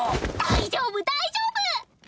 大丈夫大丈夫！